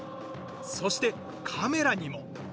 そしてカメラにも。